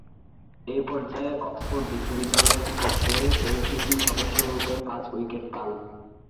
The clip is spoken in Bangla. এ পর্যায়ে অক্সফোর্ড বিশ্ববিদ্যালয়ের বিপক্ষে এমসিসি’র সদস্যরূপে পাঁচ উইকেট পান।